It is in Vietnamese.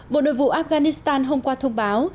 bộ nội vụ afghanistan hôm qua thông báo